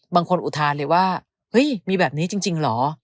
อุทานเลยว่าเฮ้ยมีแบบนี้จริงเหรอ